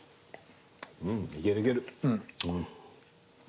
うんいけるいける。